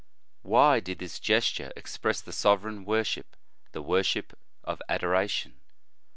"f Why did this gesture express the sovereign worship, the worship of adoration